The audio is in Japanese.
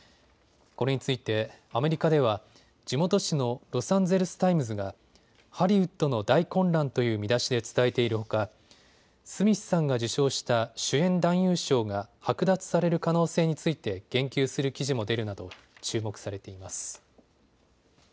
これについてアメリカでは地元紙のロサンゼルス・タイムズがハリウッドの大混乱という見出しで伝えているほかスミスさんが受賞した主演男優賞がはく奪される可能性について言及する記事も出るなど注目されています。